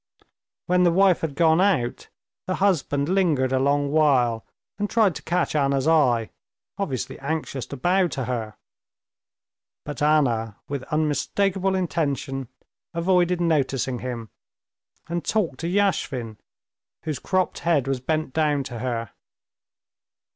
When the wife had gone out, the husband lingered a long while, and tried to catch Anna's eye, obviously anxious to bow to her. But Anna, with unmistakable intention, avoided noticing him, and talked to Yashvin, whose cropped head was bent down to her.